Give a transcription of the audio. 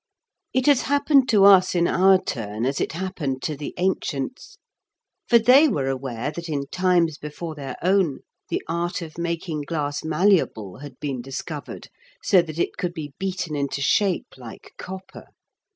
It has happened to us in our turn as it happened to the ancients. For they were aware that in times before their own the art of making glass malleable had been discovered, so that it could be beaten into shape like copper.